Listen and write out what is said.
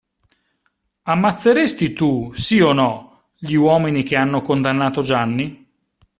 Ammazzeresti tu, sì o no, gli uomini che hanno condannato Gianni?